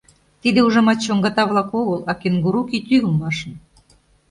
Тиде, ужамат, чоҥгата-влак огыл, а кенгуру кӱтӱ улмашын.